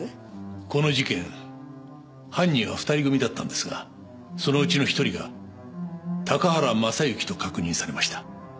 この事件犯人は２人組だったんですがそのうちの１人が高原雅之と確認されました。